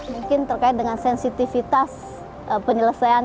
mungkin terkait dengan sensitivitas penyelesaian